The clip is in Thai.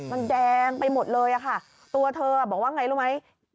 มันแดงไปหมดเลยอะค่ะตัวเธอบอกว่าไงรู้ไหม